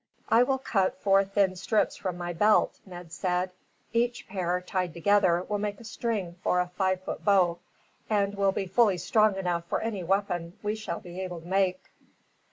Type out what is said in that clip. "I will cut four thin strips from my belt," Ned said. "Each pair, tied together, will make a string for a five foot bow, and will be fully strong enough for any weapon we shall be able to make."